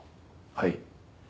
はい。